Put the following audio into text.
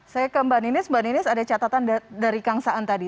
saya ke mbak ninis mbak ninis ada catatan dari kang saan tadi